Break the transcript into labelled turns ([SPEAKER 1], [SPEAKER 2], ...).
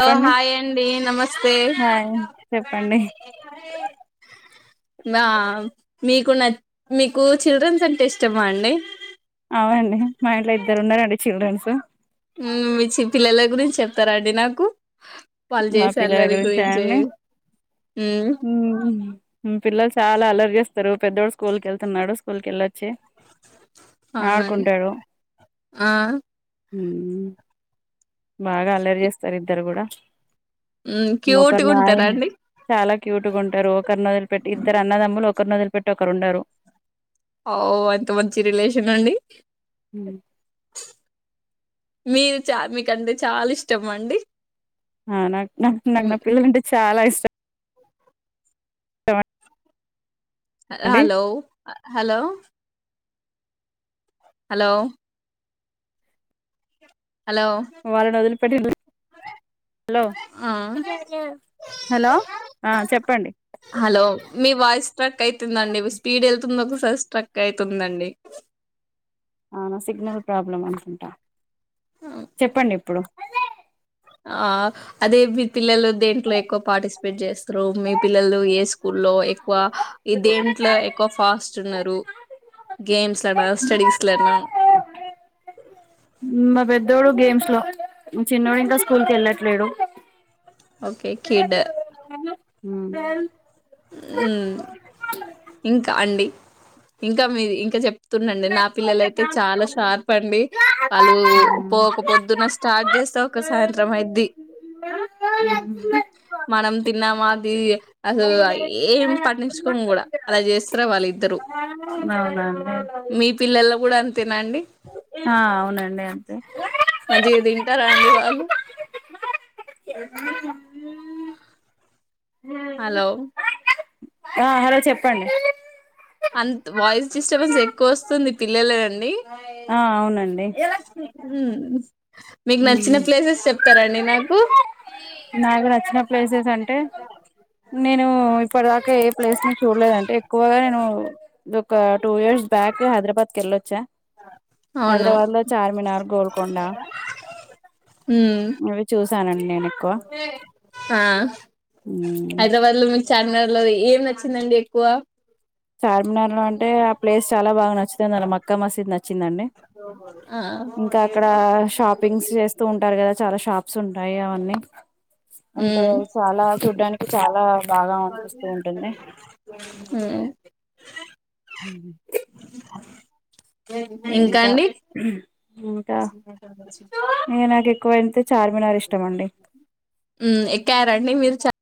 [SPEAKER 1] హొ hi అండి నమస్తే.
[SPEAKER 2] Hi చెప్పండి
[SPEAKER 1] [unintelligible] నా మీకు న మీకు చిల్డ్రన్స్ అంటే ఇష్టమా అండి
[SPEAKER 2] అవ్అండి మా ఇంట్లో ఇద్దరు ఉన్నారండి చిల్డ్రన్సు
[SPEAKER 1] ఊహ్ మీచ్చ పిల్లల గురించి చెప్తారండి నాకు వాళ్ళు
[SPEAKER 2] మా
[SPEAKER 1] చేసే
[SPEAKER 2] పిల్లల
[SPEAKER 1] అల్లరి
[SPEAKER 2] గురించ
[SPEAKER 1] గురించి
[SPEAKER 2] అండీ
[SPEAKER 1] ఉమ్
[SPEAKER 2] హ్మ్ పిల్లలు చాలా అల్లరిచెస్తరు పెద్దోడు స్కూల్కెతున్నాడు స్కూల్క్ఏల్ ఒచ్చి
[SPEAKER 1] అవునండి ఆ
[SPEAKER 2] హ్మ్ బాగా అల్లరి చేస్తర్ ఇద్దరు కూడా
[SPEAKER 1] ఉమ్
[SPEAKER 2] మొక
[SPEAKER 1] క్యూట్గా
[SPEAKER 2] నాయె
[SPEAKER 1] ఉంటారా అండి
[SPEAKER 2] చాలక్ క్యూట్గుంటరు ఒకరు నొదిలి పెట్టి ఇద్దరు అన్నదమ్ములు ఒకరు నొదిలి పెట్టి ఒకరు ఉండరు
[SPEAKER 1] ఓ ఎంత మంచి రిలేషన్ అండి మీర్ చ మీకంటే చాల్ ఇష్టం మా అండి
[SPEAKER 2] ఆ నాక్ నాక్ నాక్ నా
[SPEAKER 1] హ్మ్.
[SPEAKER 2] పిల్లలంటే చాలా ఇష్ ఇస్ట్
[SPEAKER 1] హ హలో హ హలో హలో హలో
[SPEAKER 2] వాళ్ళని వదిలి పెట్టి హలో
[SPEAKER 1] ఆ
[SPEAKER 2] హలో ఆ చెప్పండి
[SPEAKER 1] హలో మీ వాయిస్ స్ట్రక్ అయితుందండి స్పీడ్ ఎల్తూ ఒక సైస్ ట్రక్ అవుతుందండి
[SPEAKER 2] అవునా సిగ్నల్ ప్రాబ్లమ్ అనుకుంట చెప్పండి ఇప్పుడు
[SPEAKER 1] ఆ అదే మీ పిల్లలు దేంట్లో ఎక్కువ పార్టిస్పేట్ చెస్తరు మీ పిల్లలు ఏ స్కూల్ లో ఎక్వ ఏ దేంట్ల ఎక్కువ ఫాస్ట్ ఉన్నరు గేమ్స్లానా స్టడీస్లనా
[SPEAKER 2] మా పెద్దోడు గేమ్స్ లో చిన్నోడిక స్కూల్ కెళ్లేట్లెడు
[SPEAKER 1] ఓకే కిడ్
[SPEAKER 2] ఉమ్.
[SPEAKER 1] ఉహ్ ఇంక అండి ఇంకా మీ ఇంకా చెప్ ప్తుండండి నా పిల్లల అయితే చాలా షార్ప్ అండి వాళ్ళు పోక పొద్దున స్టార్ట్ చె సొ ఒక సాయంత్రం అయిది
[SPEAKER 2] [unintelligible]
[SPEAKER 1] మనం తిన్నమా అది అసలు
[SPEAKER 2] [inaudible]
[SPEAKER 1] ఏం పట్టించుకోము కూడా అలా చెస్తార వాళ్ళ ఇద్దరు
[SPEAKER 2] అవునా అండి
[SPEAKER 1] మీ పిల్లల్లో కూడ అంతేన అండి
[SPEAKER 2] ఆ అవునండి అంతే
[SPEAKER 1] తార అండి వాళ్ళు హలో
[SPEAKER 2] ఆ హలో చెప్పండి
[SPEAKER 1] అన్త్ వాయిస్ డిస్టబెన్స్ ఎక్కువ వస్తుంది పిల్లలది అండి
[SPEAKER 2] ఆ అవునండి
[SPEAKER 1] ఉహ్ మీకు
[SPEAKER 2] ఉమ్
[SPEAKER 1] నచ్చిన ప్లేసెస్ చెప్తారాండి నాక్
[SPEAKER 2] నాకు నచ్చిన ప్లేసెస్ అంటే నేను ఇప్పటి దాక ఏ ప్లేసును చూడలేదంటే ఎక్కువగా నేను ఒక టూ ఇయర్స్ బ్యాక్ హైద్రాబాద్ కి ఏళ్ళొచ్చా
[SPEAKER 1] అవును
[SPEAKER 2] హైదరబాద్ లో చార్మినార్ గోల్కొండ
[SPEAKER 1] హు మ్
[SPEAKER 2] ఇవి చూసానండి నేను ఎక్కువ
[SPEAKER 1] ఆ
[SPEAKER 2] ఉమ్
[SPEAKER 1] హైద్రాబాద్లో మీకు చార్మినార్ లో ఏం నచ్చిందండి ఎక్కువ
[SPEAKER 2] చార్మినార్ లో అంటే ఆ ప్లేస్ చాలా బాగా నచ్చుతుంది మక్కా మసీద్ నచ్ వచ్చిదండి
[SPEAKER 1] ఆ
[SPEAKER 2] ఇంకా అక్కడ షాపింగ్స్ చేస్తూ ఉంటారు కదా చాలా షాప్ స్ ఉంటాయి అన్నీ అంటే
[SPEAKER 1] ఉమ్
[SPEAKER 2] చాలా చూడ్డానికి చాలా బాగా అనిపిస్తూ ఉంటుంది
[SPEAKER 1] ఆ
[SPEAKER 2] మ్ హు
[SPEAKER 1] ఇంకా అండి
[SPEAKER 2] ఇంకా ఇగ నాక్ ఏ క్కవైతే చార్మినార్ ఇష్టం అండి
[SPEAKER 1] ఉమ్ ఎక్కారండి మీరు చ